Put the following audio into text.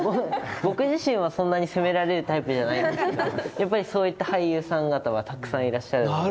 僕自身はそんなに攻められるタイプじゃないんですけどやっぱりそういった俳優さん方はたくさんいらっしゃるので。